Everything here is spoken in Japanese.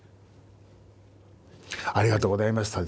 「ありがとうございました」ですね。